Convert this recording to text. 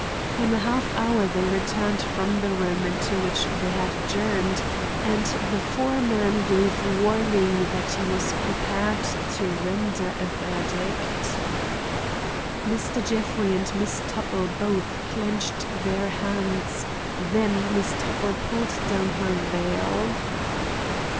In a half hour they returned from the room into which they had adjourned, and the foreman gave warning that he was prepared to render a verdict. Mr. Jeffrey and Miss Tuttle both clenched their hands; then Miss Tuttle pulled down her veil.